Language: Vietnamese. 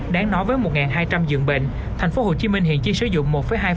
đáng nói với một hai trăm linh dường bệnh thành phố hồ chí minh hiện chỉ sử dụng một hai